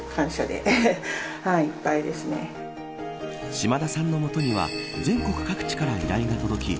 島田さんの元には全国各地から依頼が届き